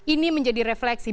ini menjadi refleksi